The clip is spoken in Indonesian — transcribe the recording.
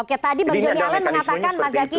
oke tadi bang joni allen mengatakan mas zaky